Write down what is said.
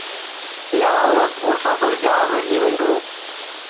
اها عورت مسافر جهاز جي ونڊو